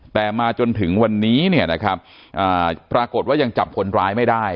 แต่มาจนถึงวันนี้ปรากฏว่ายังจับคนร้ายไม่ได้